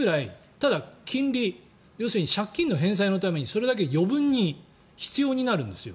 ただ金利要するに借金の返済のためにそれだけ余分に必要になるんですよ。